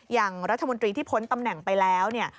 อย่างรัฐมนตรีที่พ้นตำแหน่งไปแล้วเนี่ย